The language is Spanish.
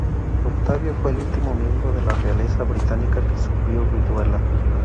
Octavio fue el último miembro de la realeza británica que sufrió viruela.